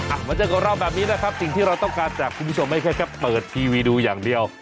มาเจอกับเราแบบนี้นะครับสิ่งที่เราต้องการจากคุณผู้ชมไม่ใช่แค่เปิดทีวีดูอย่างเดียว